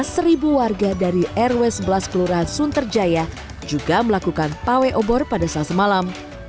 seribu warga dari rw sebelas kelurahan sunterjaya juga melakukan pawai obor pada selasa malam